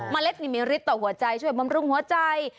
เล็ดนี่มีฤทธิต่อหัวใจช่วยบำรุงหัวใจ